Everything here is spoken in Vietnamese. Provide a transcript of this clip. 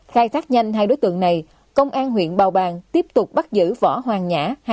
khai thác nhanh hai đối tượng này công an huyện bào bàng tiếp tục bắt giữ võ hoàng nhã